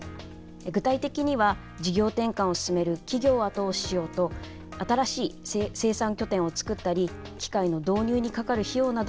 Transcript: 具体的には事業転換を進める企業を後押ししようと新しい生産拠点をつくったり機械の導入にかかる費用などを助成しています。